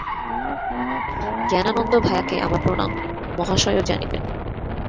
জ্ঞানানন্দ ভায়াকে আমার প্রণাম, মহাশয়ও জানিবেন।